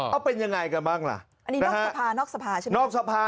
ว่าเป็นยังไงกันบ้างล่ะ